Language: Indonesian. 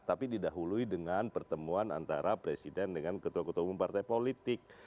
tapi didahului dengan pertemuan antara presiden dengan ketua ketua umum partai politik